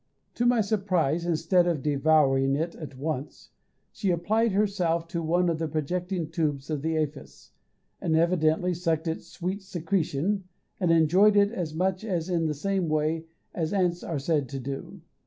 To my surprise, instead of devouring it at once, she applied herself to one of the projecting tubes of the aphis, and evidently sucked its sweet secretion, and enjoyed it as much and in the same way as ants are said to do.